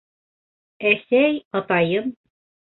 Әсәй, атайым...